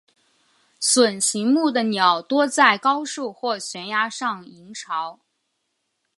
隼形目的鸟多在高树或悬崖上营巢。